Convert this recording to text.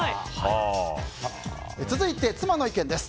続いて、妻の意見です。